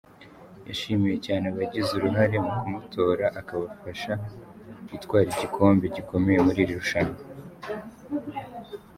Yashimiye cyane abagize uruhare mu kumutora akabasha gutwara igikombe gikomeye muri iri rushanwa.